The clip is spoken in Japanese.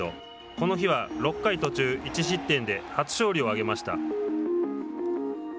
この日は６回途中１失点で初勝利を挙げました。